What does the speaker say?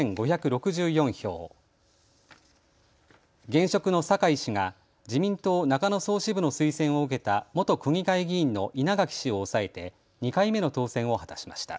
現職の酒井氏が自民党中野総支部の推薦を受けた元区議会議員の稲垣氏を抑えて２回目の当選を果たしました。